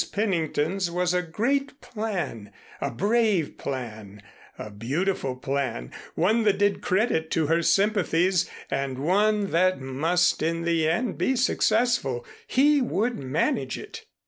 Pennington's was a great plan, a brave plan, a beautiful plan, one that did credit to her sympathies and one that must in the end be successful. He would manage it.